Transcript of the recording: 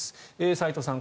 齋藤さん